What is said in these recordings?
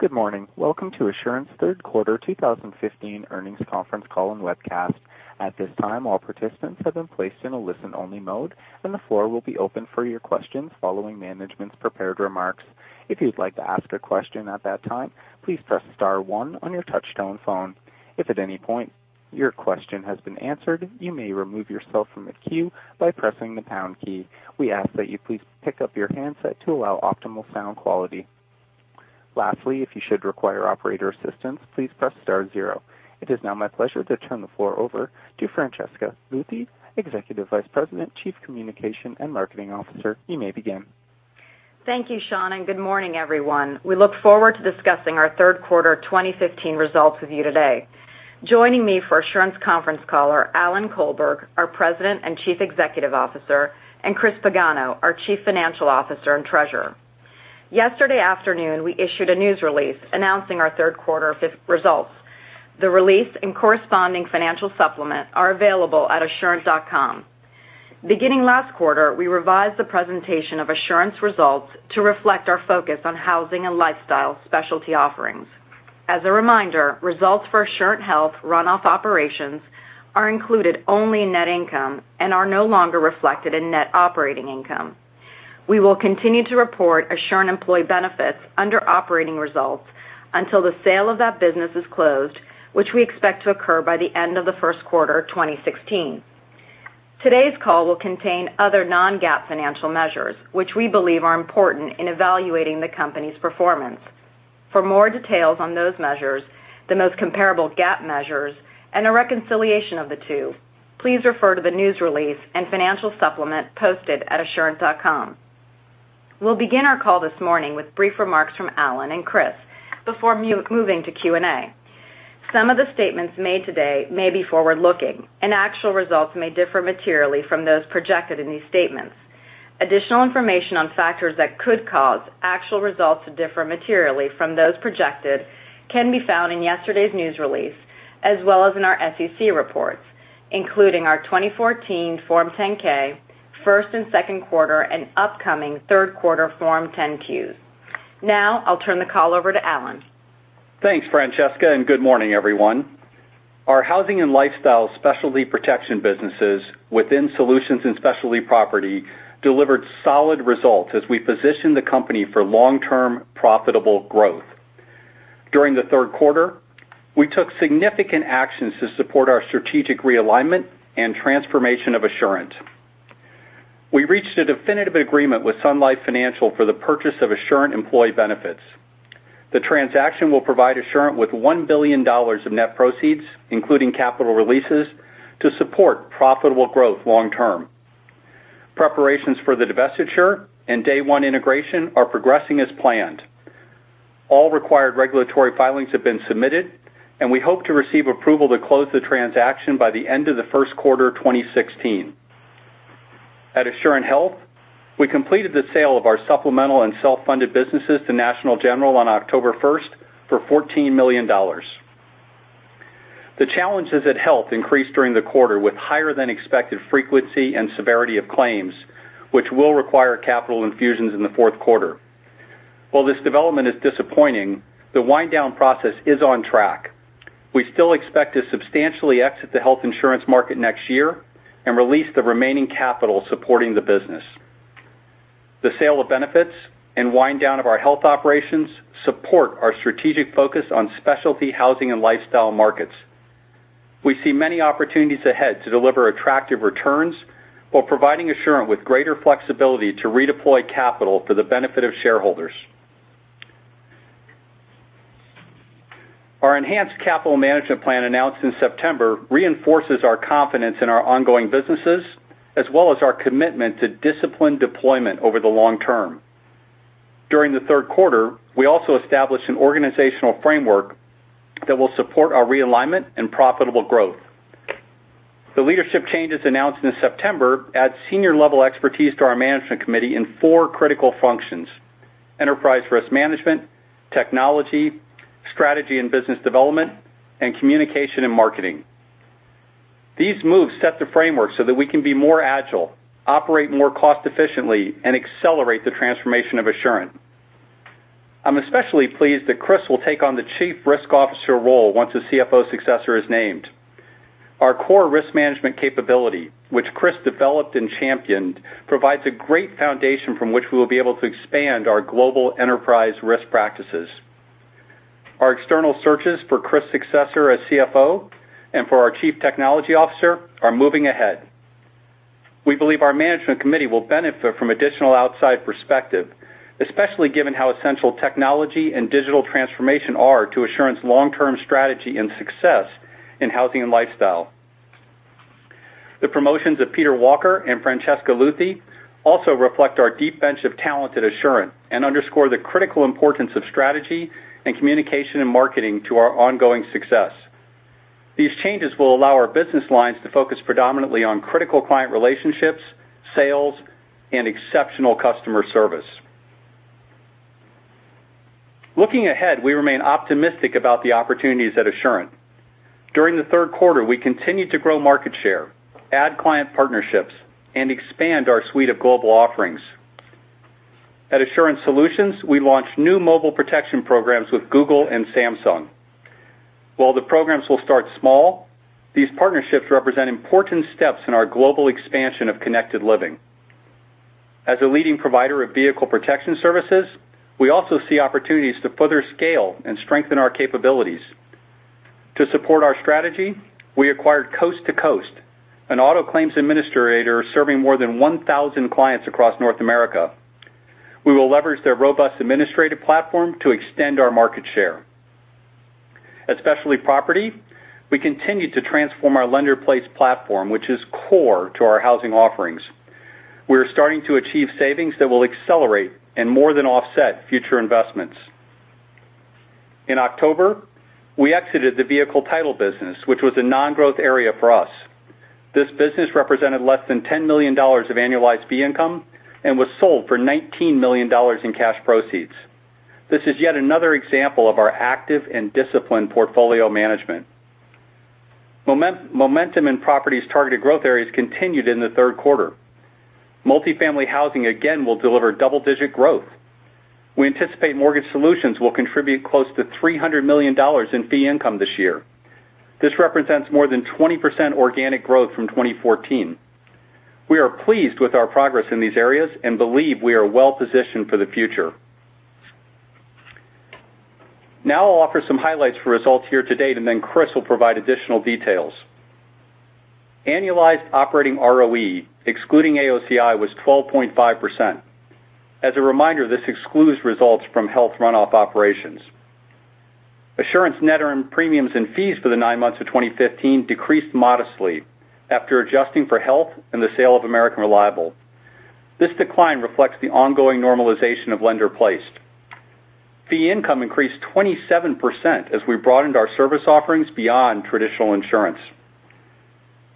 Good morning. Welcome to Assurant's third quarter 2015 earnings conference call and webcast. At this time, all participants have been placed in a listen-only mode, and the floor will be open for your questions following management's prepared remarks. If you'd like to ask a question at that time, please press star one on your touch-tone phone. If at any point your question has been answered, you may remove yourself from the queue by pressing the pound key. We ask that you please pick up your handset to allow optimal sound quality. Lastly, if you should require operator assistance, please press star zero. It is now my pleasure to turn the floor over to Francesca Luthi, Executive Vice President, Chief Communication and Marketing Officer. You may begin. Thank you, Sean, and good morning, everyone. We look forward to discussing our third quarter 2015 results with you today. Joining me for Assurant's conference call are Alan Colberg, our President and Chief Executive Officer, and Christopher Pagano, our Chief Financial Officer and Treasurer. Yesterday afternoon, we issued a news release announcing our third quarter results. The release and corresponding financial supplement are available at assurant.com. Beginning last quarter, we revised the presentation of Assurant's results to reflect our focus on housing and lifestyle specialty offerings. As a reminder, results for Assurant Health runoff operations are included only in net income and are no longer reflected in Net Operating Income. We will continue to report Assurant Employee Benefits under operating results until the sale of that business is closed, which we expect to occur by the end of the first quarter 2016. Today's call will contain other non-GAAP financial measures, which we believe are important in evaluating the company's performance. For more details on those measures, the most comparable GAAP measures, and a reconciliation of the two, please refer to the news release and financial supplement posted at assurant.com. We'll begin our call this morning with brief remarks from Alan and Chris before moving to Q&A. Some of the statements made today may be forward-looking, and actual results may differ materially from those projected in these statements. Additional information on factors that could cause actual results to differ materially from those projected can be found in yesterday's news release, as well as in our SEC reports, including our 2014 Form 10-K, first and second quarter, and upcoming third quarter Form 10-Q. Now, I'll turn the call over to Alan. Thanks, Francesca, and good morning, everyone. Our housing and lifestyle specialty protection businesses within solutions and specialty property delivered solid results as we position the company for long-term profitable growth. During the third quarter, we took significant actions to support our strategic realignment and transformation of Assurant. We reached a definitive agreement with Sun Life Financial for the purchase of Assurant Employee Benefits. The transaction will provide Assurant with $1 billion of net proceeds, including capital releases, to support profitable growth long term. Preparations for the divestiture and day one integration are progressing as planned. All required regulatory filings have been submitted, and we hope to receive approval to close the transaction by the end of the first quarter 2016. At Assurant Health, we completed the sale of our supplemental and self-funded businesses to National General on October 1st for $14 million. The challenges at Assurant Health increased during the quarter with higher than expected frequency and severity of claims, which will require capital infusions in the fourth quarter. While this development is disappointing, the wind down process is on track. We still expect to substantially exit the health insurance market next year and release the remaining capital supporting the business. The sale of Assurant Employee Benefits and wind down of our health operations support our strategic focus on specialty housing and lifestyle markets. We see many opportunities ahead to deliver attractive returns while providing Assurant with greater flexibility to redeploy capital for the benefit of shareholders. Our enhanced capital management plan announced in September reinforces our confidence in our ongoing businesses, as well as our commitment to disciplined deployment over the long term. During the third quarter, we also established an organizational framework that will support our realignment and profitable growth. The leadership changes announced in September add senior level expertise to our management committee in four critical functions: enterprise risk management, technology, strategy and business development, and communication and marketing. These moves set the framework so that we can be more agile, operate more cost efficiently, and accelerate the transformation of Assurant. I'm especially pleased that Chris will take on the Chief Risk Officer role once a CFO successor is named. Our core risk management capability, which Chris developed and championed, provides a great foundation from which we will be able to expand our global enterprise risk practices. Our external searches for Chris' successor as CFO and for our Chief Technology Officer are moving ahead. We believe our management committee will benefit from additional outside perspective, especially given how essential technology and digital transformation are to Assurant's long-term strategy and success in housing and lifestyle. The promotions of Peter Walker and Francesca Luthi also reflect our deep bench of talent at Assurant and underscore the critical importance of strategy and communication and marketing to our ongoing success. These changes will allow our business lines to focus predominantly on critical client relationships, sales, and exceptional customer service. Looking ahead, we remain optimistic about the opportunities at Assurant. During the third quarter, we continued to grow market share, add client partnerships, and expand our suite of global offerings. At Assurant Solutions, we launched new mobile protection programs with Google and Samsung. While the programs will start small, these partnerships represent important steps in our global expansion of Connected Living. As a leading provider of vehicle protection services, we also see opportunities to further scale and strengthen our capabilities. To support our strategy, we acquired Coast To Coast, an auto claims administrator serving more than 1,000 clients across North America. We will leverage their robust administrative platform to extend our market share. At Assurant Specialty Property, we continue to transform our lender-placed platform, which is core to our housing offerings. We are starting to achieve savings that will accelerate and more than offset future investments. In October, we exited the vehicle title business, which was a non-growth area for us. This business represented less than $10 million of annualized fee income and was sold for $19 million in cash proceeds. This is yet another example of our active and disciplined portfolio management. Momentum in Property's targeted growth areas continued in the third quarter. Multifamily housing again will deliver double-digit growth. We anticipate Mortgage Solutions will contribute close to $300 million in fee income this year. This represents more than 20% organic growth from 2014. We are pleased with our progress in these areas and believe we are well positioned for the future. I'll offer some highlights for results year to date, and then Chris will provide additional details. Annualized operating ROE, excluding AOCI, was 12.5%. As a reminder, this excludes results from health runoff operations. Assurant net earned premiums and fees for the nine months of 2015 decreased modestly after adjusting for health and the sale of American Reliable. This decline reflects the ongoing normalization of lender-placed. Fee income increased 27% as we broadened our service offerings beyond traditional insurance.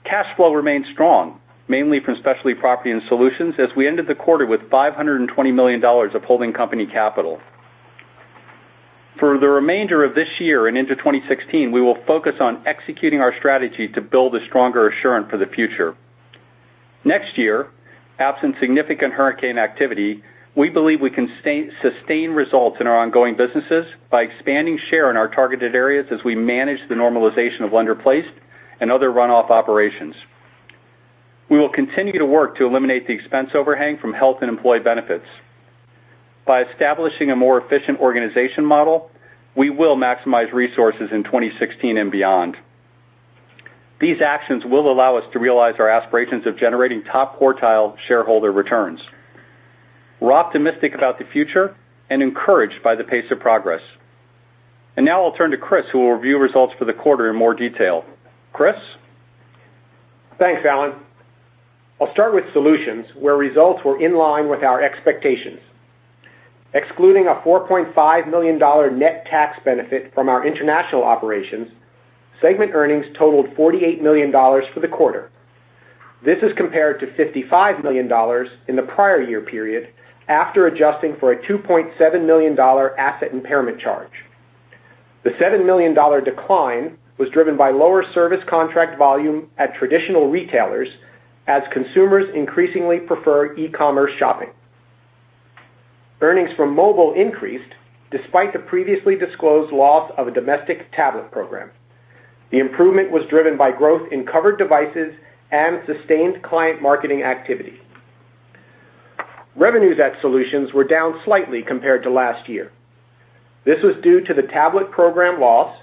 Cash flow remained strong, mainly from Specialty Property and Solutions, as we ended the quarter with $520 million of holding company capital. For the remainder of this year and into 2016, we will focus on executing our strategy to build a stronger Assurant for the future. Next year, absent significant hurricane activity, we believe we can sustain results in our ongoing businesses by expanding share in our targeted areas as we manage the normalization of lender-placed and other runoff operations. We will continue to work to eliminate the expense overhang from health and employee benefits. By establishing a more efficient organization model, we will maximize resources in 2016 and beyond. These actions will allow us to realize our aspirations of generating top-quartile shareholder returns. We're optimistic about the future and encouraged by the pace of progress. Now I'll turn to Chris, who will review results for the quarter in more detail. Chris? Thanks, Alan. I'll start with Solutions, where results were in line with our expectations. Excluding a $4.5 million net tax benefit from our international operations, segment earnings totaled $48 million for the quarter. This is compared to $55 million in the prior year period, after adjusting for a $2.7 million asset impairment charge. The $7 million decline was driven by lower service contract volume at traditional retailers as consumers increasingly prefer e-commerce shopping. Earnings from mobile increased despite the previously disclosed loss of a domestic tablet program. The improvement was driven by growth in covered devices and sustained client marketing activity. Revenues at Solutions were down slightly compared to last year. This was due to the tablet program loss,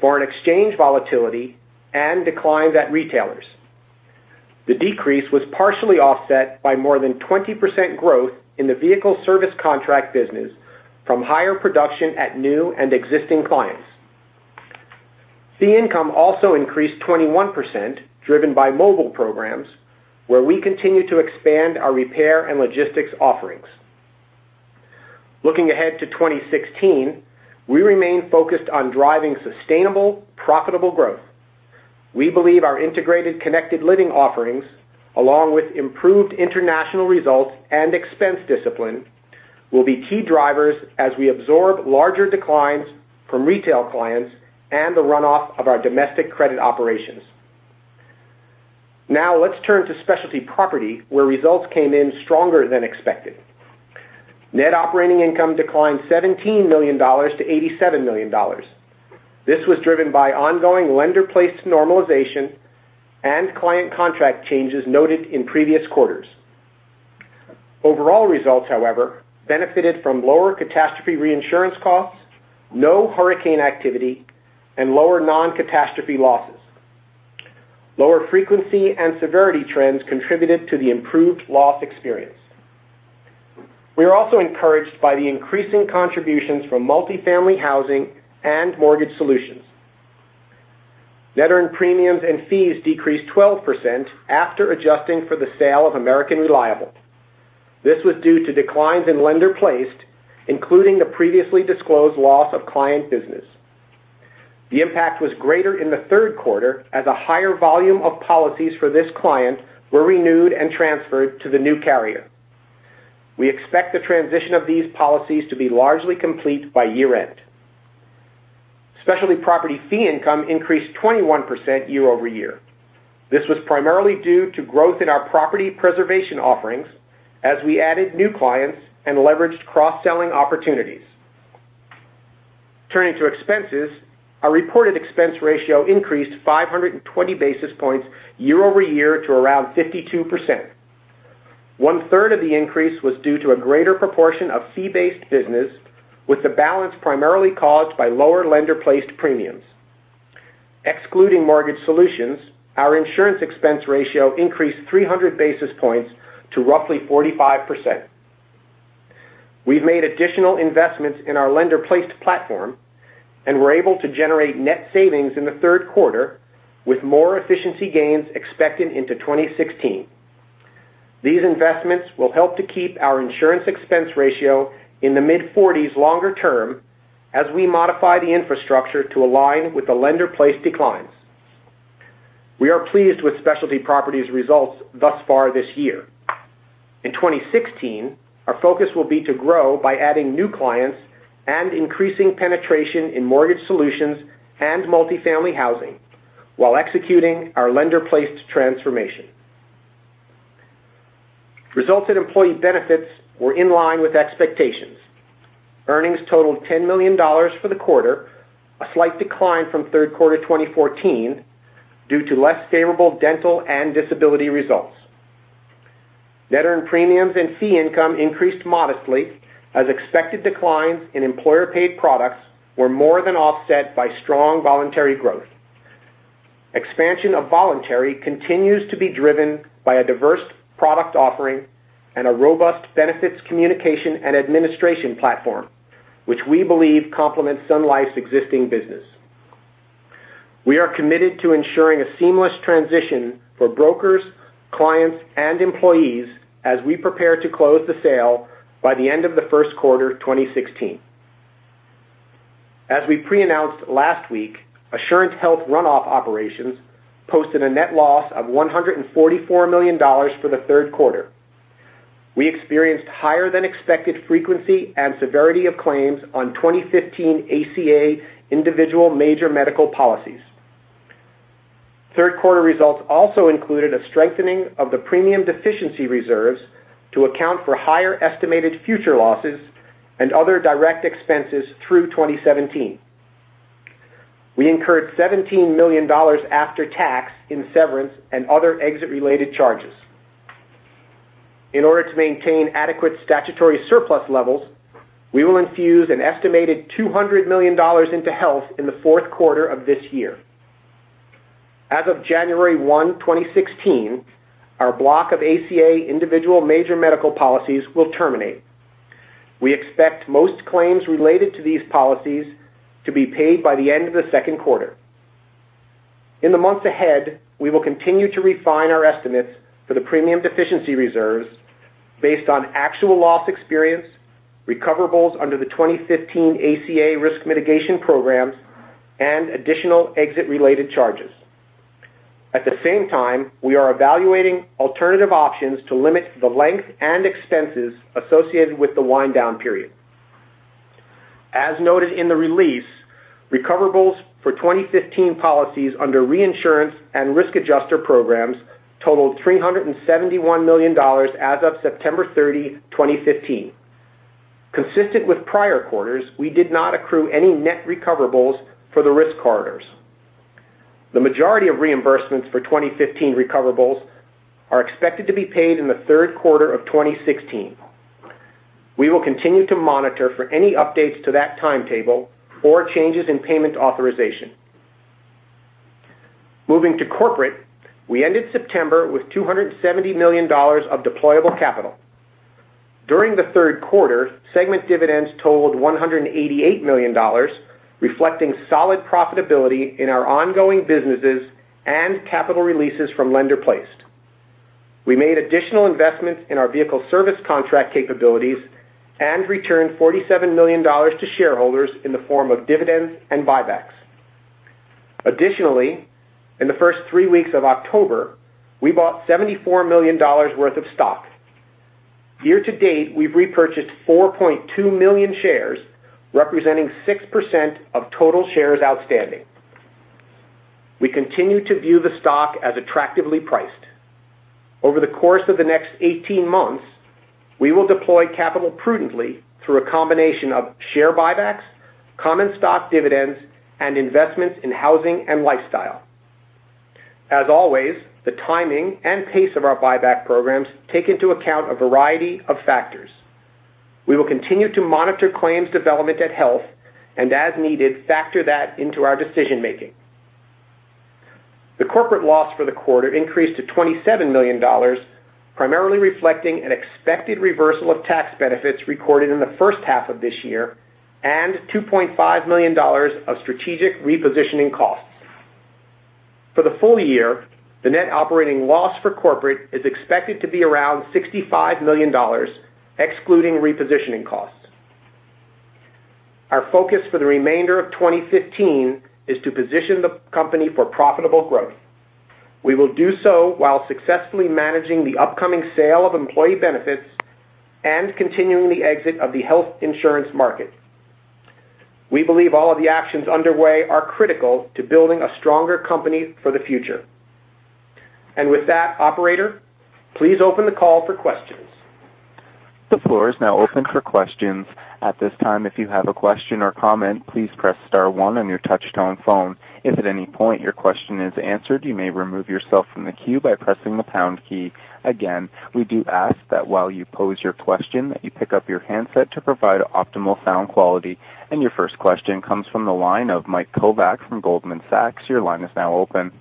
foreign exchange volatility, and declines at retailers. The decrease was partially offset by more than 20% growth in the vehicle service contract business from higher production at new and existing clients. Fee income also increased 21%, driven by mobile programs, where we continue to expand our repair and logistics offerings. Looking ahead to 2016, we remain focused on driving sustainable, profitable growth. We believe our integrated Connected Living offerings, along with improved international results and expense discipline, will be key drivers as we absorb larger declines from retail clients and the runoff of our domestic credit operations. Let's turn to Specialty Property, where results came in stronger than expected. Net Operating Income declined $17 million to $87 million. This was driven by ongoing lender-placed normalization and client contract changes noted in previous quarters. Overall results, however, benefited from lower catastrophe reinsurance costs, no hurricane activity, and lower non-catastrophe losses. Lower frequency and severity trends contributed to the improved loss experience. We are also encouraged by the increasing contributions from multifamily housing and Mortgage Solutions. Net earned premiums and fees decreased 12% after adjusting for the sale of American Reliable. This was due to declines in lender-placed, including the previously disclosed loss of client business. The impact was greater in the third quarter as a higher volume of policies for this client were renewed and transferred to the new carrier. We expect the transition of these policies to be largely complete by year-end. Specialty Property fee income increased 21% year-over-year. This was primarily due to growth in our property preservation offerings as we added new clients and leveraged cross-selling opportunities. Turning to expenses, our reported expense ratio increased 520 basis points year-over-year to around 52%. One third of the increase was due to a greater proportion of fee-based business, with the balance primarily caused by lower lender-placed premiums. Excluding Mortgage Solutions, our insurance expense ratio increased 300 basis points to roughly 45%. We've made additional investments in our lender-placed platform and were able to generate net savings in the third quarter, with more efficiency gains expected into 2016. These investments will help to keep our insurance expense ratio in the mid-40s longer term as we modify the infrastructure to align with the lender-placed declines. We are pleased with Specialty Property's results thus far this year. In 2016, our focus will be to grow by adding new clients and increasing penetration in Mortgage Solutions and multifamily housing while executing our lender-placed transformation. Results in Employee Benefits were in line with expectations. Earnings totaled $10 million for the quarter, a slight decline from third quarter 2014 due to less favorable dental and disability results. Net earned premiums and fee income increased modestly as expected declines in employer-paid products were more than offset by strong voluntary growth. Expansion of voluntary continues to be driven by a diverse product offering and a robust benefits communication and administration platform, which we believe complements Sun Life's existing business. We are committed to ensuring a seamless transition for brokers, clients, and employees as we prepare to close the sale by the end of the first quarter 2016. As we pre-announced last week, Assurant Health runoff operations posted a net loss of $144 million for the third quarter. We experienced higher than expected frequency and severity of claims on 2015 ACA individual major medical policies. Third quarter results also included a strengthening of the premium deficiency reserves to account for higher estimated future losses and other direct expenses through 2017. We incurred $17 million after tax in severance and other exit related charges. In order to maintain adequate statutory surplus levels, we will infuse an estimated $200 million into health in the fourth quarter of this year. As of January 1, 2016, our block of ACA individual major medical policies will terminate. We expect most claims related to these policies to be paid by the end of the second quarter. In the months ahead, we will continue to refine our estimates for the premium deficiency reserves based on actual loss experience, recoverables under the 2015 ACA risk mitigation programs, and additional exit related charges. At the same time, we are evaluating alternative options to limit the length and expenses associated with the wind down period. As noted in the release, recoverables for 2015 policies under reinsurance and risk adjuster programs totaled $371 million as of September 30, 2015. Consistent with prior quarters, we did not accrue any net recoverables for the risk corridors. The majority of reimbursements for 2015 recoverables are expected to be paid in the third quarter of 2016. We will continue to monitor for any updates to that timetable or changes in payment authorization. Moving to corporate, we ended September with $270 million of deployable capital. During the third quarter, segment dividends totaled $188 million, reflecting solid profitability in our ongoing businesses and capital releases from lender-placed. We made additional investments in our vehicle service contract capabilities and returned $47 million to shareholders in the form of dividends and buybacks. Additionally, in the first three weeks of October, we bought $74 million worth of stock. Year to date, we've repurchased 4.2 million shares, representing 6% of total shares outstanding. We continue to view the stock as attractively priced. Over the course of the next 18 months, we will deploy capital prudently through a combination of share buybacks, common stock dividends, and investments in housing and lifestyle. As always, the timing and pace of our buyback programs take into account a variety of factors. We will continue to monitor claims development at Health, and as needed, factor that into our decision making. The corporate loss for the quarter increased to $27 million, primarily reflecting an expected reversal of tax benefits recorded in the first half of this year, and $2.5 million of strategic repositioning costs. For the full year, the Net Operating Loss for corporate is expected to be around $65 million, excluding repositioning costs. Our focus for the remainder of 2015 is to position the company for profitable growth. We will do so while successfully managing the upcoming sale of Employee Benefits and continuing the exit of the health insurance market. We believe all of the actions underway are critical to building a stronger company for the future. With that, operator, please open the call for questions. The floor is now open for questions. At this time, if you have a question or comment, please press star one on your touch-tone phone. If at any point your question is answered, you may remove yourself from the queue by pressing the pound key. Again, we do ask that while you pose your question, that you pick up your handset to provide optimal sound quality. Your first question comes from the line of Michael Kovac from Goldman Sachs. Your line is now open.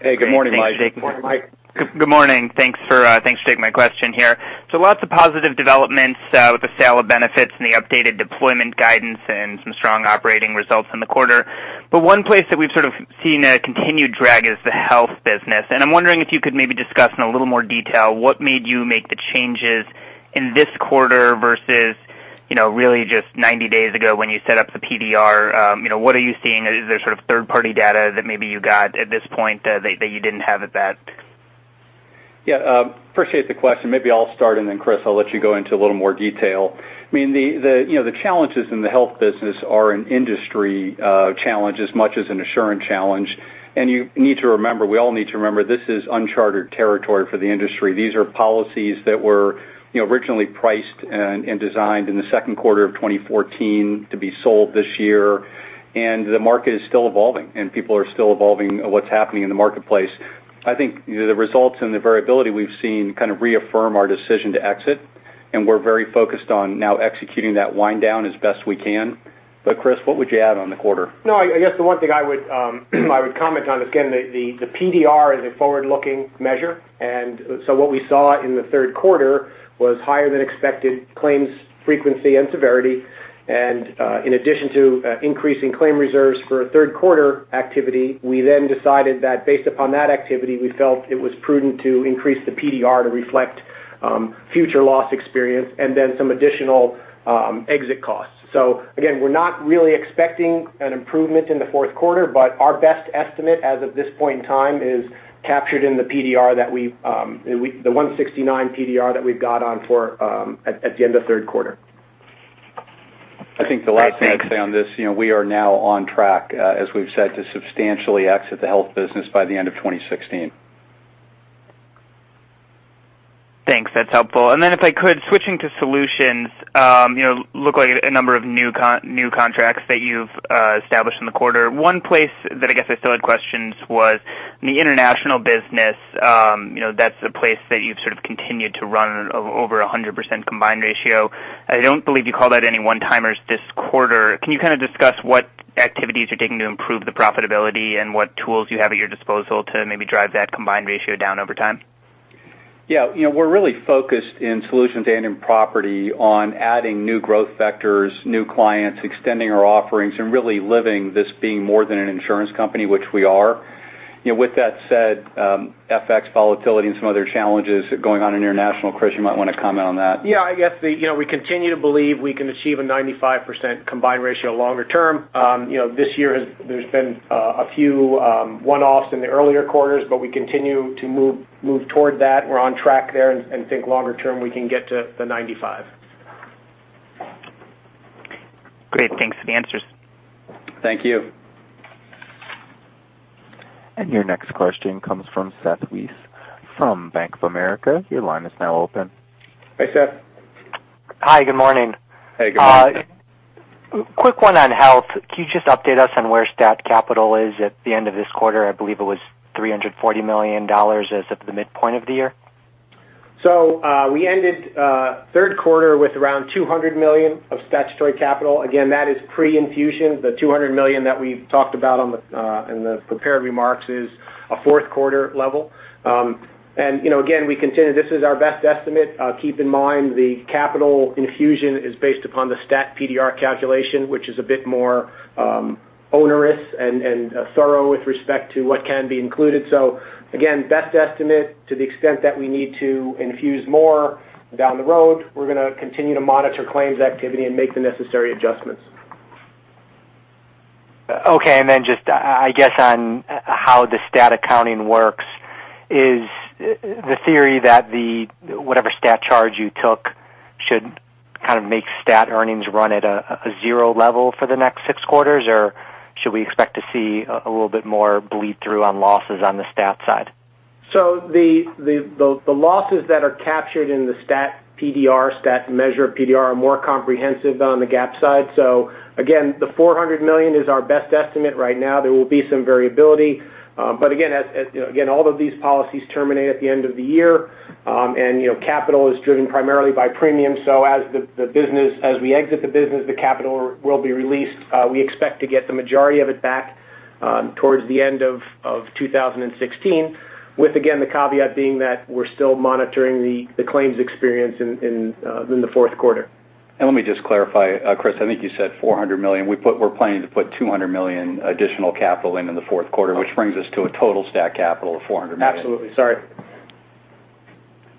Hey, good morning, Mike. Good morning. Thanks for taking my question here. Lots of positive developments with the sale of Benefits and the updated deployment guidance and some strong operating results in the quarter. One place that we've sort of seen a continued drag is the Health business, and I'm wondering if you could maybe discuss in a little more detail what made you make the changes in this quarter versus really just 90 days ago when you set up the PDR. What are you seeing? Is there sort of third-party data that maybe you got at this point that you didn't have at that? Yeah. Appreciate the question. Maybe I'll start, and then Chris, I'll let you go into a little more detail. The challenges in the Health business are an industry challenge as much as an Assurant challenge. You need to remember, we all need to remember this is uncharted territory for the industry. These are policies that were originally priced and designed in the second quarter of 2014 to be sold this year. The market is still evolving, and people are still evolving what's happening in the marketplace. I think the results and the variability we've seen kind of reaffirm our decision to exit, and we're very focused on now executing that wind down as best we can. Chris, what would you add on the quarter? No, I guess the one thing I would comment on, again, the PDR is a forward-looking measure. What we saw in the third quarter was higher than expected claims frequency and severity. In addition to increasing claim reserves for a third quarter activity, we then decided that based upon that activity, we felt it was prudent to increase the PDR to reflect future loss experience and then some additional exit costs. Again, we're not really expecting an improvement in the fourth quarter, but our best estimate as of this point in time is captured in the PDR, the $169 PDR that we've got on for at the end of third quarter. I think the last thing I'd say on this, we are now on track, as we've said, to substantially exit the health business by the end of 2016. Thanks. That's helpful. If I could, switching to solutions, look like a number of new contracts that you've established in the quarter. One place that I guess I still had questions was the international business. That's a place that you've sort of continued to run over 100% combined ratio. I don't believe you called out any one-timers this quarter. Can you kind of discuss what activities you're taking to improve the profitability and what tools you have at your disposal to maybe drive that combined ratio down over time? Yeah. We're really focused in solutions and in property on adding new growth vectors, new clients, extending our offerings, and really living this being more than an insurance company, which we are. With that said, FX volatility and some other challenges going on in international. Chris, you might want to comment on that. Yeah, I guess we continue to believe we can achieve a 95% combined ratio longer term. This year there's been a few one-offs in the earlier quarters, we continue to move toward that. We're on track there and think longer term we can get to the 95%. Great. Thanks for the answers. Thank you. Your next question comes from Seth Weiss from Bank of America. Your line is now open. Hey, Seth. Hi, good morning. Hey, good morning. Quick one on health. Can you just update us on where STAT capital is at the end of this quarter? I believe it was $340 million as of the midpoint of the year. We ended third quarter with around $200 million of STAT capital. Again, that is pre-infusion. The $200 million that we've talked about in the prepared remarks is a fourth quarter level. Again, we continue, this is our best estimate. Keep in mind the capital infusion is based upon the STAT PDR calculation, which is a bit more onerous and thorough with respect to what can be included. Again, best estimate to the extent that we need to infuse more down the road, we're going to continue to monitor claims activity and make the necessary adjustments. Okay, just, I guess, on how the STAT accounting works. Is the theory that whatever STAT charge you took should kind of make STAT earnings run at a 0 level for the next six quarters, or should we expect to see a little bit more bleed through on losses on the STAT side? The losses that are captured in the STAT PDR, STAT measure PDR, are more comprehensive than on the GAAP side. Again, the $400 million is our best estimate right now. There will be some variability. Again, all of these policies terminate at the end of the year. Capital is driven primarily by premium. As we exit the business, the capital will be released. We expect to get the majority of it back towards the end of 2016 with, again, the caveat being that we're still monitoring the claims experience in the fourth quarter. Let me just clarify, Chris, I think you said $400 million. We're planning to put $200 million additional capital in in the fourth quarter, which brings us to a total STAT capital of $400 million. Absolutely. Sorry.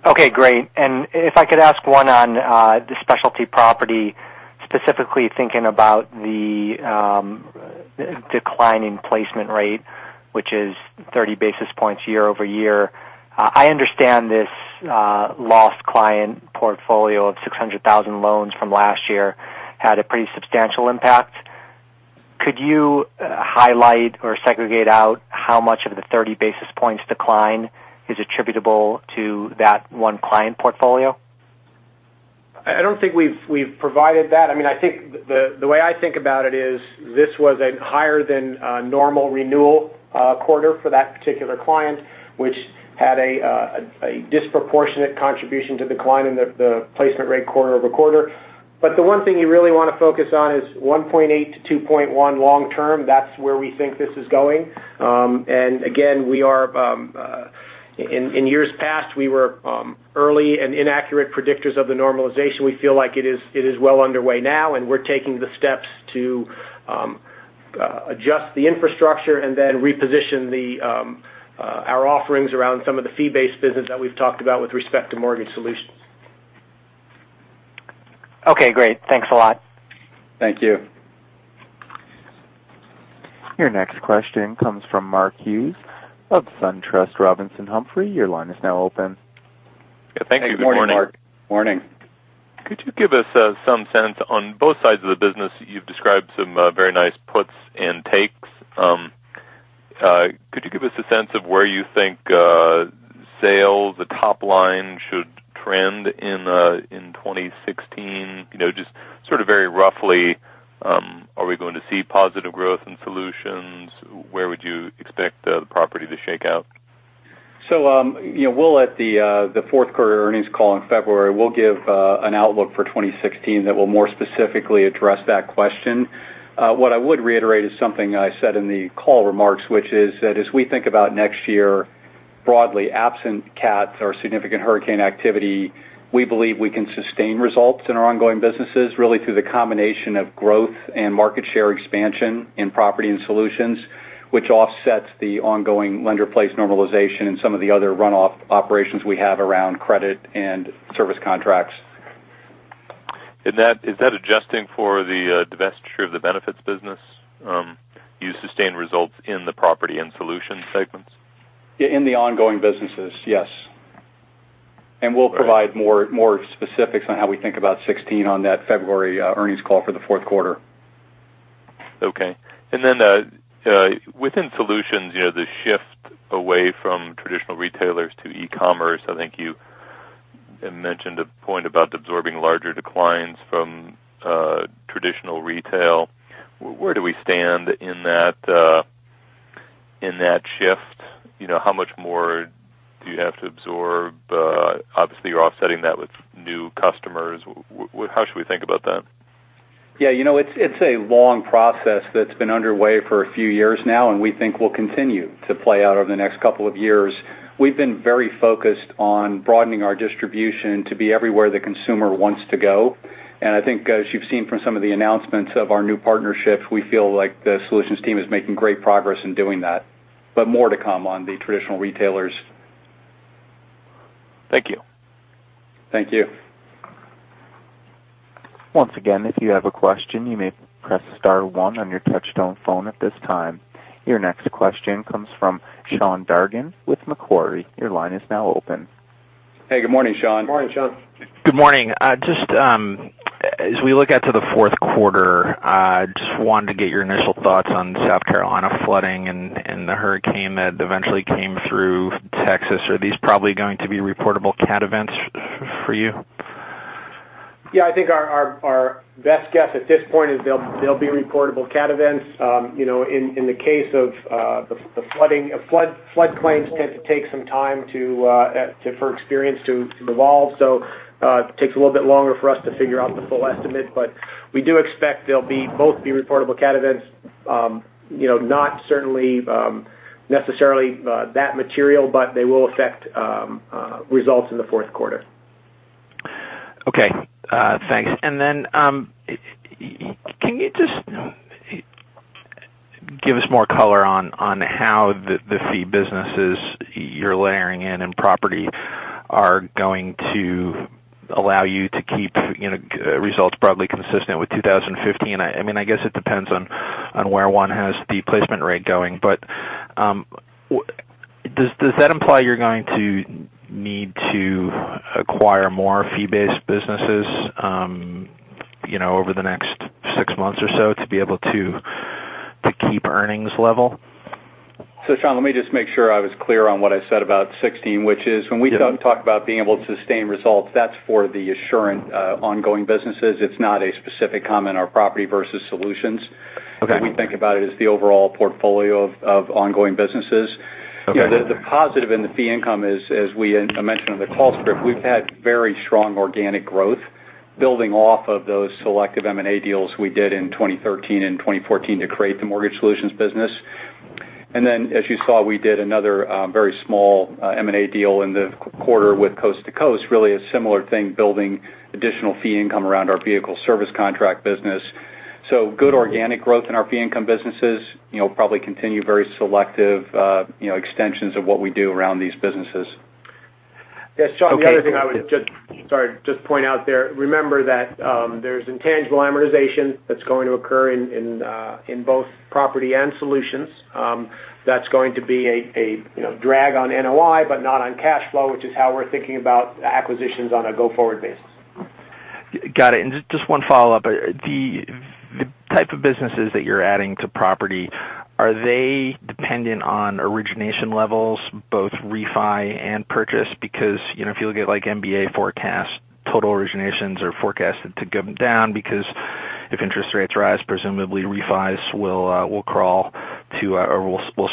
Okay, great. If I could ask one on the Specialty Property, specifically thinking about the decline in placement rate, which is 30 basis points year-over-year. I understand this lost client portfolio of 600,000 loans from last year had a pretty substantial impact. Could you highlight or segregate out how much of the 30 basis points decline is attributable to that one client portfolio? I don't think we've provided that. The way I think about it is this was a higher than normal renewal quarter for that particular client, which had a disproportionate contribution to decline in the placement rate quarter-over-quarter. The one thing you really want to focus on is 1.8 to 2.1 long-term. That's where we think this is going. Again, in years past, we were early and inaccurate predictors of the normalization. We feel like it is well underway now, and we're taking the steps to adjust the infrastructure and then reposition our offerings around some of the fee-based business that we've talked about with respect to Mortgage Solutions. Okay, great. Thanks a lot. Thank you. Your next question comes from Mark Hughes of SunTrust Robinson Humphrey. Your line is now open. Thank you. Good morning. Morning, Mark. Could you give us some sense on both sides of the business? You've described some very nice puts and takes. Could you give us a sense of where you think sales, the top line should trend in 2016? Just sort of very roughly, are we going to see positive growth in Solutions? Where would you expect the Property to shake out? We'll at the fourth quarter earnings call in February, we'll give an outlook for 2016 that will more specifically address that question. What I would reiterate is something I said in the call remarks, which is that as we think about next year, broadly absent CATs or significant hurricane activity, we believe we can sustain results in our ongoing businesses, really through the combination of growth and market share expansion in Property and Solutions, which offsets the ongoing lender-placed normalization and some of the other runoff operations we have around credit and service contracts. Is that adjusting for the divestiture of the benefits business, you sustain results in the Property and Solutions segments? In the ongoing businesses, yes. We'll provide more specifics on how we think about 2016 on that February earnings call for the fourth quarter. Okay. Within Solutions, the shift away from traditional retailers to e-commerce, I think you mentioned a point about absorbing larger declines from traditional retail. Where do we stand in that shift? How much more do you have to absorb? Obviously, you're offsetting that with new customers. How should we think about that? Yeah. It's a long process that's been underway for a few years now, and we think will continue to play out over the next couple of years. We've been very focused on broadening our distribution to be everywhere the consumer wants to go. I think as you've seen from some of the announcements of our new partnerships, we feel like the Solutions team is making great progress in doing that. More to come on the traditional retailers. Thank you. Thank you. Once again, if you have a question, you may press star one on your touchtone phone at this time. Your next question comes from Sean Dargan with Macquarie. Your line is now open. Hey, good morning, Sean. Morning, Sean. Good morning. As we look out to the fourth quarter, just wanted to get your initial thoughts on South Carolina flooding and the hurricane that eventually came through Texas. Are these probably going to be reportable CAT events for you? Yeah, I think our best guess at this point is they'll be reportable CAT events. In the case of the flooding, flood claims tend to take some time for experience to evolve. It takes a little bit longer for us to figure out the full estimate, we do expect they'll both be reportable CAT events. Not certainly necessarily that material, but they will affect results in the fourth quarter. Okay. Thanks. Then can you just give us more color on how the fee businesses you're layering in in property are going to allow you to keep results broadly consistent with 2015? I guess it depends on where one has the placement rate going, but does that imply you're going to need to acquire more fee-based businesses over the next six months or so to be able to keep earnings level? Sean, let me just make sure I was clear on what I said about 2016, which is when we talk about being able to sustain results, that's for the Assurant ongoing businesses. It's not a specific comment on Property versus Solutions. Okay. We think about it as the overall portfolio of ongoing businesses. Okay. The positive in the fee income is, as I mentioned on the call script, we've had very strong organic growth building off of those selective M&A deals we did in 2013 and 2014 to create the Mortgage Solutions business. Then as you saw, we did another very small M&A deal in the quarter with Coast To Coast, really a similar thing, building additional fee income around our vehicle service contract business. Good organic growth in our fee income businesses, probably continue very selective extensions of what we do around these businesses. Yes, Sean, the other thing I would just point out there, remember that there's intangible amortization that's going to occur in both Property and Solutions. That's going to be a drag on NOI, but not on cash flow, which is how we're thinking about acquisitions on a go-forward basis. Got it. Just one follow-up. The type of businesses that you're adding to property, are they dependent on origination levels, both refi and purchase? Because if you look at MBA forecasts, total originations are forecasted to come down because if interest rates rise, presumably refis will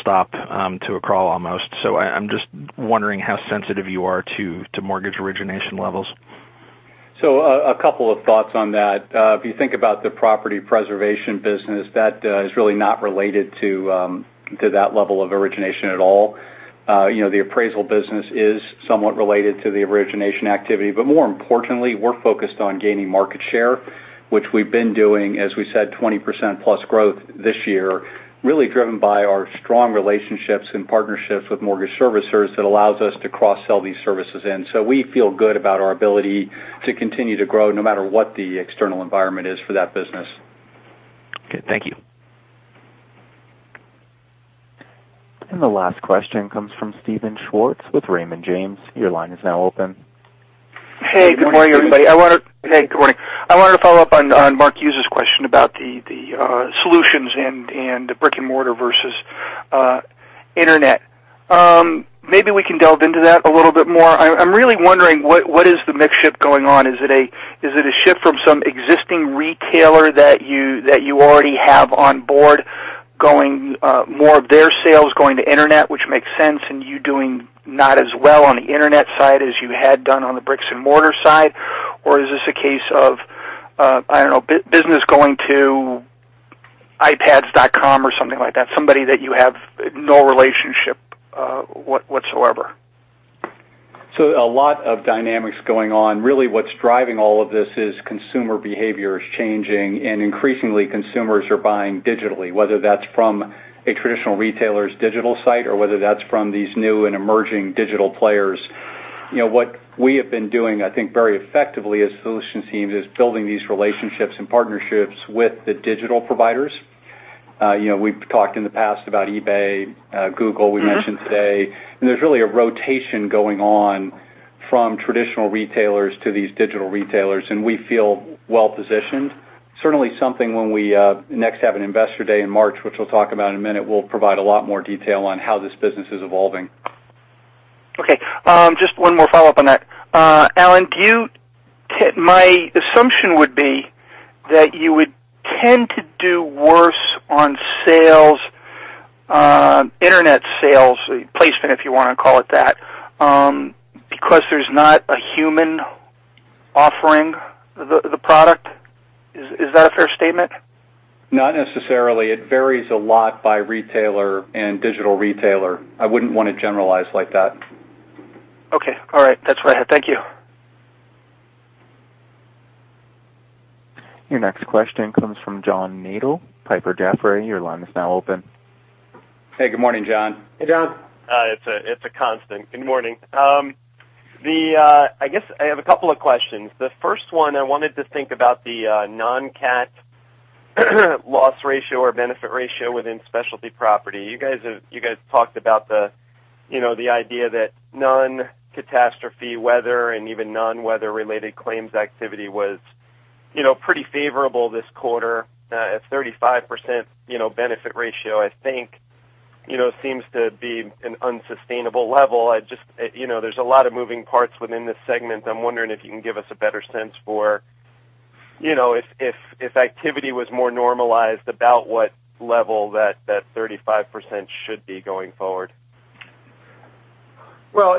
stop to a crawl almost. I'm just wondering how sensitive you are to mortgage origination levels. A couple of thoughts on that. If you think about the property preservation business, that is really not related to that level of origination at all. The appraisal business is somewhat related to the origination activity, but more importantly, we're focused on gaining market share, which we've been doing, as we said, 20% plus growth this year, really driven by our strong relationships and partnerships with mortgage servicers that allows us to cross-sell these services in. We feel good about our ability to continue to grow no matter what the external environment is for that business. Okay, thank you. The last question comes from Steven Schwartz with Raymond James. Your line is now open. Good morning, everybody. I wanted to follow up on Mark Hughes's question about the Solutions and the brick-and-mortar versus internet. Maybe we can delve into that a little bit more. I'm really wondering what is the mix shift going on. Is it a shift from some existing retailer that you already have on board, more of their sales going to internet, which makes sense, and you doing not as well on the internet side as you had done on the bricks-and-mortar side? Or is this a case of business going to ipads.com or something like that, somebody that you have no relationship whatsoever? A lot of dynamics going on. Really what's driving all of this is consumer behavior is changing. Increasingly consumers are buying digitally, whether that's from a traditional retailer's digital site or whether that's from these new and emerging digital players. What we have been doing, I think very effectively as Solutions teams, is building these relationships and partnerships with the digital providers. We've talked in the past about eBay, Google we mentioned today. There's really a rotation going on from traditional retailers to these digital retailers. We feel well-positioned. Certainly something when we next have an investor day in March, which we'll talk about in a minute, we'll provide a lot more detail on how this business is evolving. Just one more follow-up on that. Alan, my assumption would be that you would tend to do worse on internet sales placement, if you want to call it that, because there's not a human offering the product. Is that a fair statement? Not necessarily. It varies a lot by retailer and digital retailer. I wouldn't want to generalize like that. Okay, all right. That's what I had. Thank you. Your next question comes from John Nadel, Piper Jaffray. Your line is now open. Hey, good morning, John. Hey, John. It's a constant. Good morning. I guess I have a couple of questions. The first one, I wanted to think about the non-CAT loss ratio or benefit ratio within Assurant Specialty Property. You guys talked about the idea that non-catastrophe weather and even non-weather related claims activity was pretty favorable this quarter at 35% benefit ratio. I think it seems to be an unsustainable level. There's a lot of moving parts within this segment. I'm wondering if you can give us a better sense for if activity was more normalized, about what level that 35% should be going forward. Well,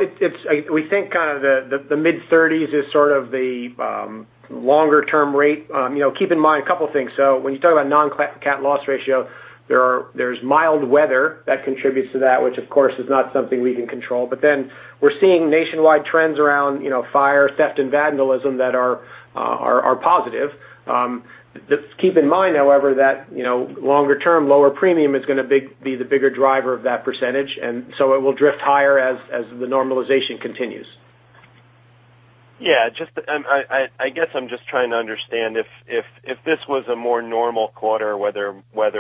we think kind of the mid-30s is sort of the longer-term rate. Keep in mind a couple things. When you talk about non-CAT loss ratio, there's mild weather that contributes to that, which of course is not something we can control. We're seeing nationwide trends around fire, theft, and vandalism that are positive. Keep in mind, however, that longer term, lower premium is going to be the bigger driver of that percentage, and so it will drift higher as the normalization continues. Yeah. I guess I'm just trying to understand if this was a more normal quarter, whether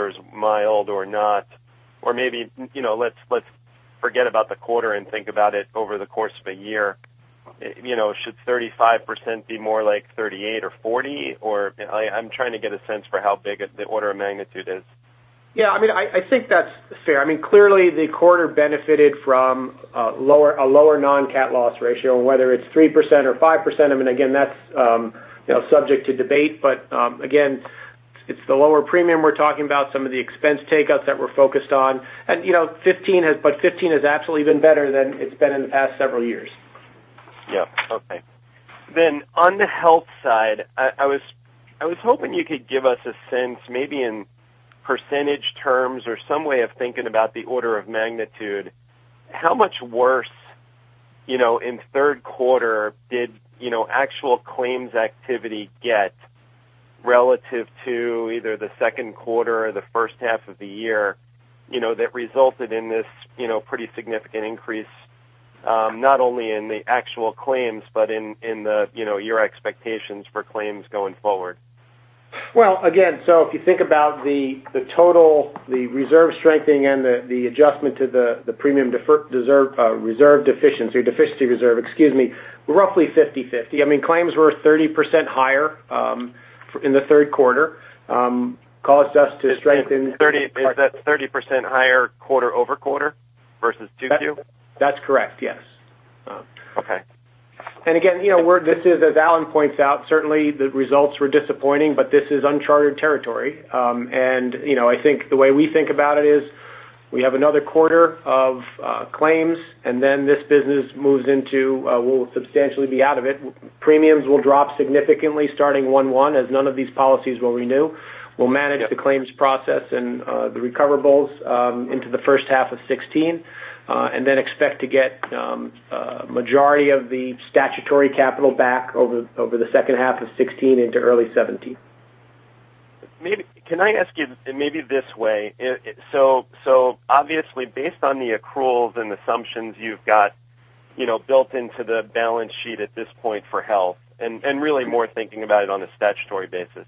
it's mild or not, or maybe let's forget about the quarter and think about it over the course of a year. Should 35% be more like 38 or 40 or I'm trying to get a sense for how big the order of magnitude is. Yeah, I think that's fair. Clearly the quarter benefited from a lower non-CAT loss ratio, and whether it's 3% or 5%, again, that's subject to debate. Again, it's the lower premium we're talking about, some of the expense take ups that we're focused on. 2015 has actually been better than it's been in the past several years. Yeah. Okay. On the health side, I was hoping you could give us a sense, maybe in percentage terms or some way of thinking about the order of magnitude, how much worse in third quarter did actual claims activity get relative to either the second quarter or the first half of the year, that resulted in this pretty significant increase, not only in the actual claims, but in your expectations for claims going forward? Well, again, if you think about the total, the reserve strengthening and the adjustment to the deficiency reserve, excuse me, roughly 50/50. Claims were 30% higher in the third quarter, caused us to strengthen. Is that 30% higher quarter-over-quarter versus 2Q? That's correct, yes. Oh, okay. Again, as Alan points out, certainly the results were disappointing, but this is uncharted territory. I think the way we think about it is we have another quarter of claims, then this business moves into, we'll substantially be out of it. Premiums will drop significantly starting 1/1 as none of these policies will renew. We'll manage the claims process and the recoverables into the first half of 2016, then expect to get majority of the statutory capital back over the second half of 2016 into early 2017. Can I ask you maybe this way? Obviously based on the accruals and assumptions you've got built into the balance sheet at this point for Assurant Health, and really more thinking about it on a statutory basis.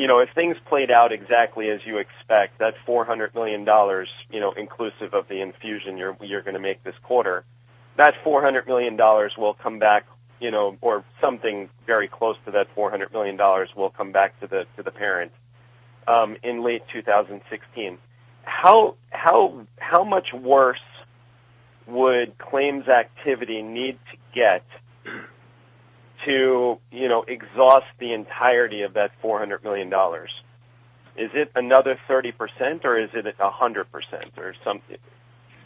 If things played out exactly as you expect, that's $400 million inclusive of the infusion you're going to make this quarter. That $400 million will come back or something very close to that $400 million will come back to the parent in late 2016. How much worse would claims activity need to get to exhaust the entirety of that $400 million? Is it another 30% or is it 100% or something?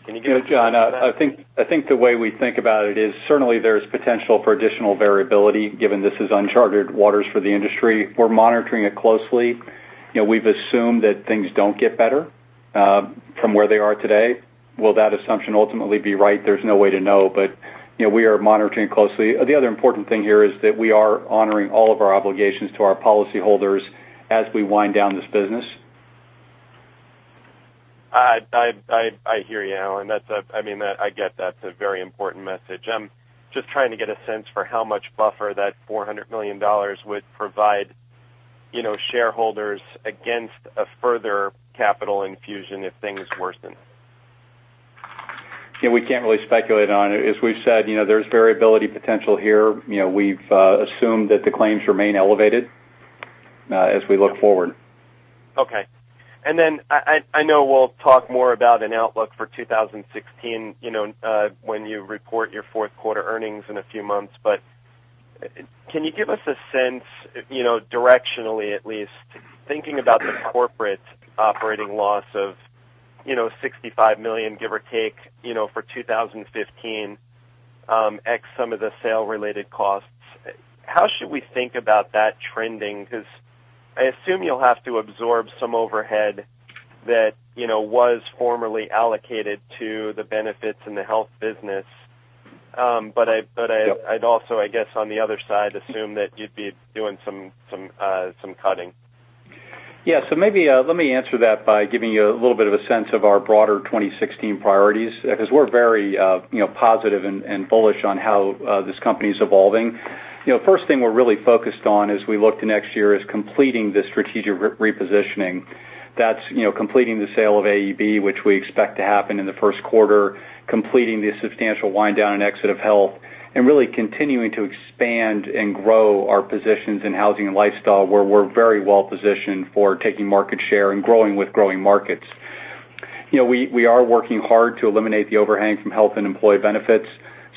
Can you give? John, I think the way we think about it is certainly there's potential for additional variability given this is uncharted waters for the industry. We're monitoring it closely. We've assumed that things don't get better from where they are today. Will that assumption ultimately be right? There's no way to know, but we are monitoring closely. The other important thing here is that we are honoring all of our obligations to our policyholders as we wind down this business. I hear you, Alan. I get that's a very important message. I'm just trying to get a sense for how much buffer that $400 million would provide shareholders against a further capital infusion if things worsen. We can't really speculate on it. As we've said, there's variability potential here. We've assumed that the claims remain elevated as we look forward. Okay. I know we'll talk more about an outlook for 2016 when you report your fourth quarter earnings in a few months, can you give us a sense, directionally at least, thinking about the corporate operating loss of $65 million, give or take, for 2015, x some of the sale-related costs. How should we think about that trending? I assume you'll have to absorb some overhead that was formerly allocated to the Benefits in the Health business. I'd also, I guess, on the other side, assume that you'd be doing some cutting. Yeah. Maybe let me answer that by giving you a little bit of a sense of our broader 2016 priorities, we're very positive and bullish on how this company's evolving. First thing we're really focused on as we look to next year is completing the strategic repositioning. That's completing the sale of AEB, which we expect to happen in the first quarter, completing the substantial wind down and exit of Health, and really continuing to expand and grow our positions in housing and lifestyle, where we're very well positioned for taking market share and growing with growing markets. We are working hard to eliminate the overhang from Health and Employee Benefits.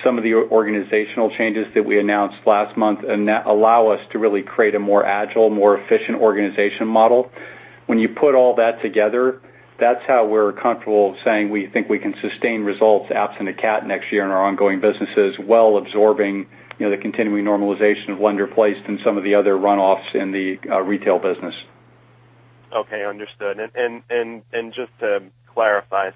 Some of the organizational changes that we announced last month allow us to really create a more agile, more efficient organization model. When you put all that together, that's how we're comfortable saying we think we can sustain results absent a CAT next year in our ongoing businesses while absorbing the continuing normalization of lender-placed and some of the other runoffs in the retail business. Okay, understood. Just to clarify,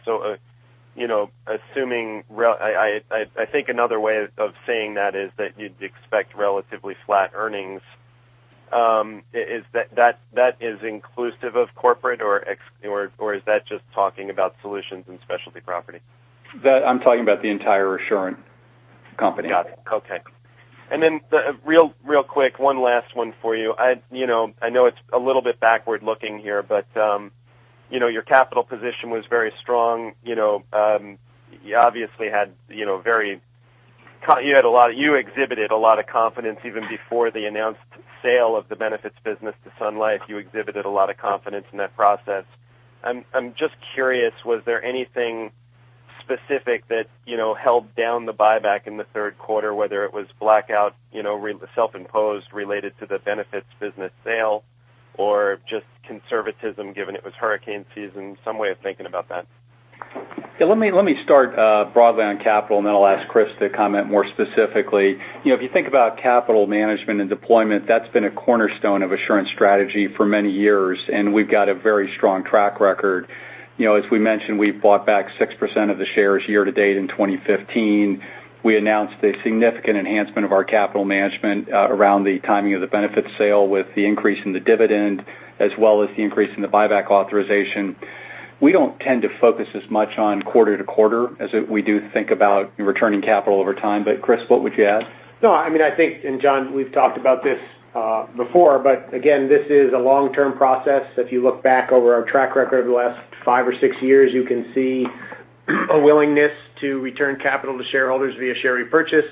I think another way of saying that is that you'd expect relatively flat earnings. That is inclusive of corporate, or is that just talking about Solutions and Specialty Property? I'm talking about the entire Assurant company. Got it. Okay. Then real quick, one last one for you. I know it's a little bit backward looking here, but your capital position was very strong. You exhibited a lot of confidence even before the announced sale of the benefits business to Sun Life. You exhibited a lot of confidence in that process. I'm just curious, was there anything specific that held down the buyback in the third quarter, whether it was blackout self-imposed related to the benefits business sale, or just conservatism given it was hurricane season? Some way of thinking about that. Let me start broadly on capital, and then I'll ask Chris to comment more specifically. If you think about capital management and deployment, that's been a cornerstone of Assurant strategy for many years, and we've got a very strong track record. As we mentioned, we've bought back 6% of the shares year to date in 2015. We announced a significant enhancement of our capital management around the timing of the benefits sale with the increase in the dividend, as well as the increase in the buyback authorization. We don't tend to focus as much on quarter to quarter as we do think about returning capital over time. Chris, what would you add? I think, John, we've talked about this before, again, this is a long-term process. If you look back over our track record over the last five or six years, you can see a willingness to return capital to shareholders via share repurchase.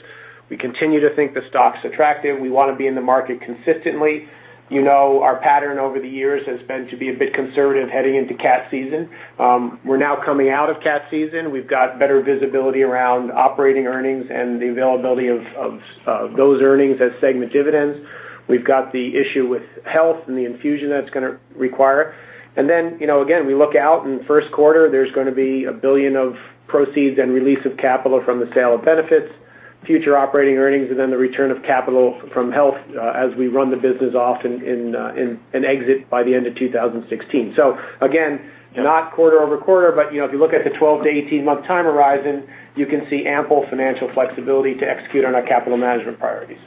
We continue to think the stock's attractive. We want to be in the market consistently. Our pattern over the years has been to be a bit conservative heading into CAT season. We're now coming out of CAT season. We've got better visibility around operating earnings and the availability of those earnings as segment dividends. We've got the issue with health and the infusion that it's going to require. Again, we look out in the first quarter, there's going to be $1 billion of proceeds and release of capital from the sale of benefits, future operating earnings, and then the return of capital from health as we run the business off and exit by the end of 2016. Again, not quarter over quarter, but if you look at the 12 to 18-month time horizon, you can see ample financial flexibility to execute on our capital management priorities.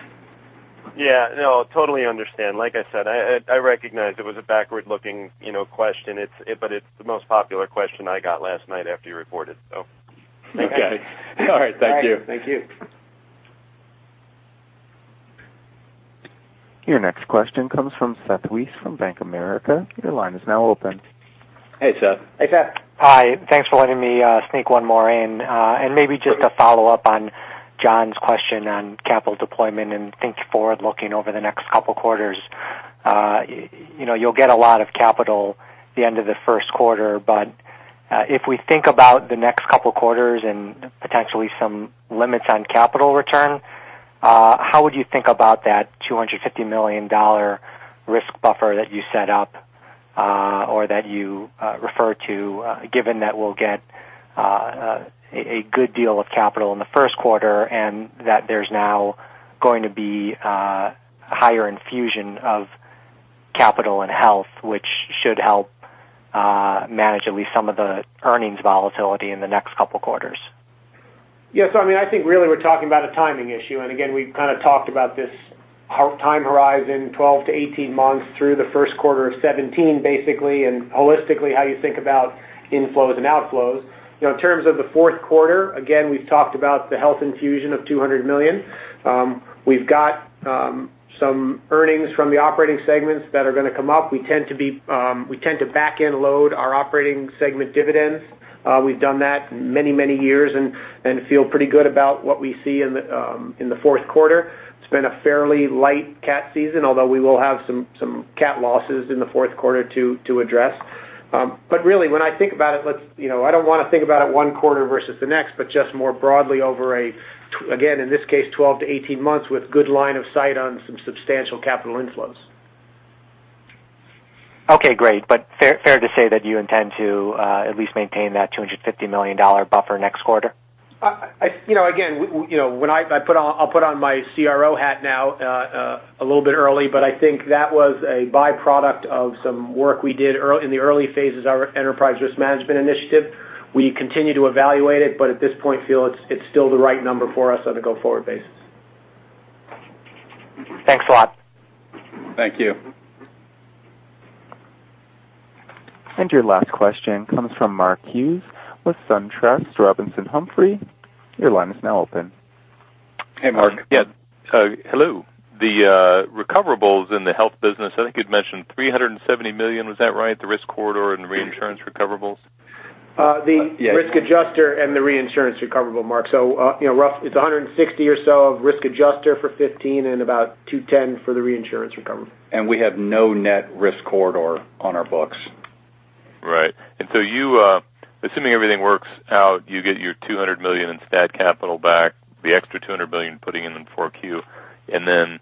Totally understand. Like I said, I recognized it was a backward-looking question. It's the most popular question I got last night after you reported. Okay. All right, thank you. All right. Thank you. Your next question comes from Seth Weiss from Bank of America. Your line is now open. Hey, Seth. Hey, Seth. Hi. Thanks for letting me sneak one more in. Maybe just a follow-up on John's question on capital deployment and think forward looking over the next couple of quarters. You'll get a lot of capital at the end of the first quarter, but if we think about the next couple of quarters and potentially some limits on capital return, how would you think about that $250 million risk buffer that you set up or that you referred to, given that we'll get a good deal of capital in the first quarter and that there's now going to be a higher infusion of capital and health, which should help manage at least some of the earnings volatility in the next couple of quarters? Yeah. I think really we're talking about a timing issue. Again, we've kind of talked about this time horizon, 12-18 months through the first quarter of 2017, basically, and holistically how you think about inflows and outflows. In terms of the fourth quarter, again, we've talked about the health infusion of $200 million. We've got some earnings from the operating segments that are going to come up. We tend to back-end load our operating segment dividends. We've done that many years and feel pretty good about what we see in the fourth quarter. It's been a fairly light cat season, although we will have some cat losses in the fourth quarter to address. Really, when I think about it, I don't want to think about it one quarter versus the next, but just more broadly over, again, in this case, 12-18 months with good line of sight on some substantial capital inflows. Okay, great. Fair to say that you intend to at least maintain that $250 million buffer next quarter? I'll put on my CRO hat now a little bit early, but I think that was a byproduct of some work we did in the early phases of our enterprise risk management initiative. We continue to evaluate it, but at this point feel it's still the right number for us on a go-forward basis. Thanks a lot. Thank you. Your last question comes from Mark Hughes with SunTrust Robinson Humphrey. Your line is now open. Hey, Mark. Mark. Yeah. Hello. The recoverables in the health business, I think you'd mentioned $370 million. Was that right? The risk corridor and reinsurance recoverables? The risk adjustment and the reinsurance recoverable, Mark. Rough, it's $160 or so of risk adjustment for 2015 and about $210 for the reinsurance recoverable. We have no net risk corridor on our books. Right. Assuming everything works out, you get your $200 million in STAT capital back, the extra $200 million putting in in 4Q, then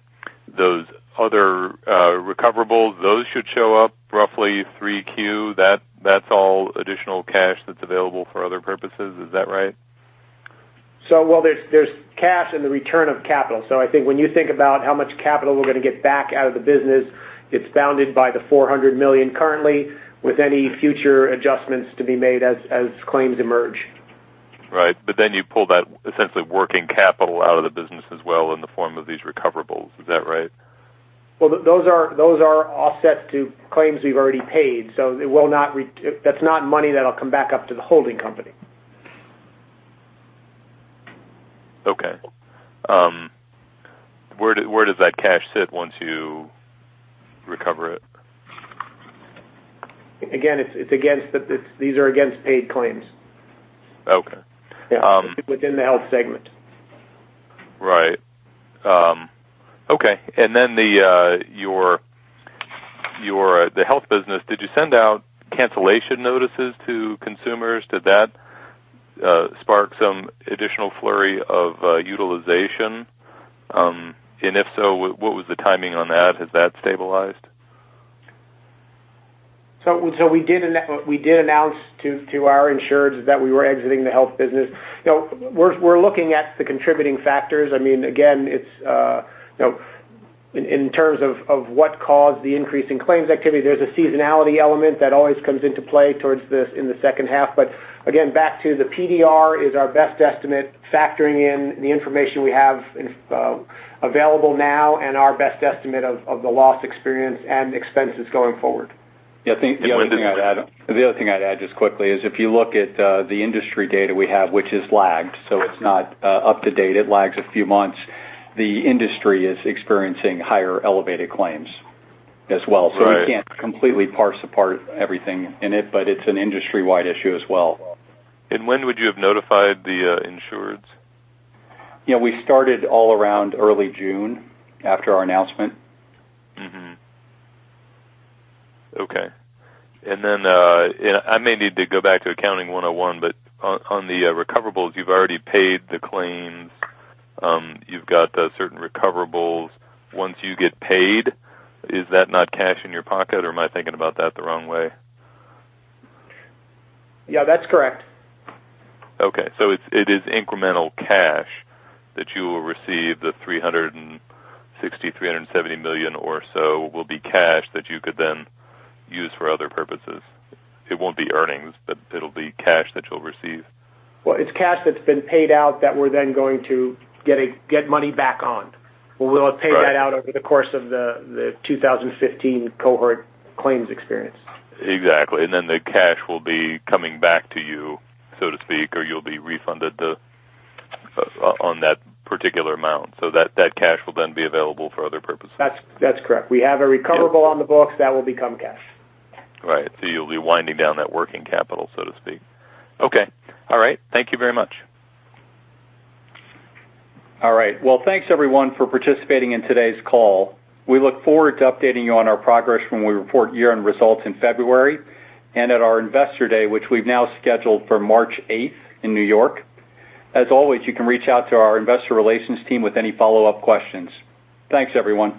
those other recoverables, those should show up roughly 3Q. That's all additional cash that's available for other purposes. Is that right? Well, there's cash and the return of capital. I think when you think about how much capital we're going to get back out of the business, it's bounded by the $400 million currently, with any future adjustments to be made as claims emerge. Right. You pull that essentially working capital out of the business as well in the form of these recoverables. Is that right? Well, those are offsets to claims we've already paid, so that's not money that'll come back up to the holding company. Okay. Where does that cash sit once you recover it? These are against paid claims. Okay. Yeah. Within the health segment. Right. Okay. The health business, did you send out cancellation notices to consumers? Did that spark some additional flurry of utilization? If so, what was the timing on that? Has that stabilized? We did announce to our insureds that we were exiting the health business. We're looking at the contributing factors. In terms of what caused the increase in claims activity, there's a seasonality element that always comes into play towards in the second half. Again, back to the PDR is our best estimate, factoring in the information we have available now and our best estimate of the loss experience and expenses going forward. I think the other thing I'd add just quickly is if you look at the industry data we have, which has lagged, it's not up to date. It lags a few months. The industry is experiencing higher elevated claims as well. Right. We can't completely parse apart everything in it's an industry-wide issue as well. When would you have notified the insureds? Yeah, we started all around early June after our announcement. Okay. I may need to go back to Accounting 101, but on the recoverables, you've already paid the claims. You've got certain recoverables. Once you get paid, is that not cash in your pocket, or am I thinking about that the wrong way? Yeah, that's correct. Okay. It is incremental cash that you will receive, the $360 million, $370 million or so will be cash that you could then use for other purposes. It won't be earnings, but it'll be cash that you'll receive. Well, it's cash that's been paid out that we're then going to get money back on. Right. We'll have paid that out over the course of the 2015 cohort claims experience. Exactly. The cash will be coming back to you, so to speak, or you'll be refunded on that particular amount, so that cash will then be available for other purposes. That's correct. We have a recoverable on the books that will become cash. Right. You'll be winding down that working capital, so to speak. Okay. All right. Thank you very much. All right. Well, thanks everyone for participating in today's call. We look forward to updating you on our progress when we report year-end results in February, and at our Investor Day, which we've now scheduled for March eighth in New York. As always, you can reach out to our investor relations team with any follow-up questions. Thanks, everyone.